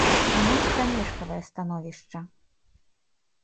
У нас прамежкавае становішча.